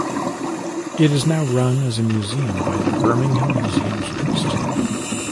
It is now run as a museum by the Birmingham Museums Trust.